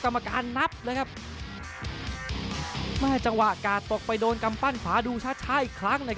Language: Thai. กำการนับเลยครับ่าให้จังหวะกาตตกไปโดนกำปั้นฝาดูชัดช้าอีกครั้ง